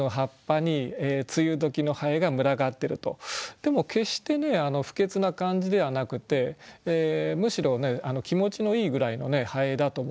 でも決して不潔な感じではなくてむしろ気持ちのいいぐらいの蠅だと思いますね。